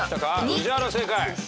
宇治原正解。